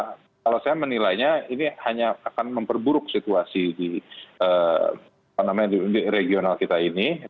karena kalau saya menilainya ini hanya akan memperburuk situasi di regional kita ini